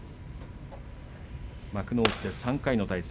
幕内で３回の対戦。